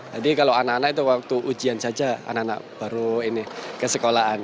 jadi kalau anak anak itu waktu ujian saja anak anak baru ini ke sekolahan